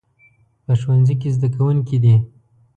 په ښوونځي کې زده کوونکي دي